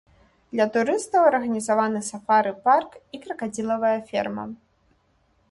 Для турыстаў арганізаваны сафары-парк і кракадзілавая ферма.